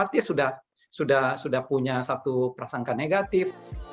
dia sudah punya satu prasangka negatif